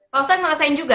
paustan merasakan juga